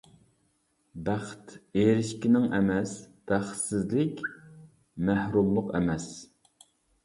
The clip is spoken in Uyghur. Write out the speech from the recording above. بەخت ئېرىشكىنىڭ ئەمەس، بەختسىزلىك مەھرۇملۇق ئەمەس!